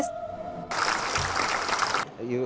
tôi rất vui mừng